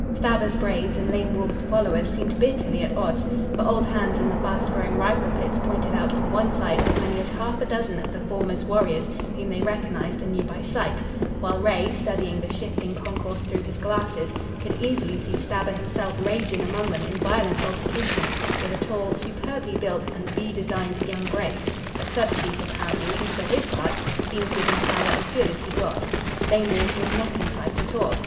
Stabber's braves and Lame Wolf's followers seemed bitterly at odds, for old hands in the fast growing rifle pits pointed out on one side as many as half a dozen of the former's warriors whom they recognized and knew by sight, while Ray, studying the shifting concourse through his glasses, could easily see Stabber himself raging among them in violent altercation with a tall, superbly built and bedizened young brave, a sub chief, apparently, who for his part, seemed giving Stabber as good as he got. Lame Wolf was not in sight at all.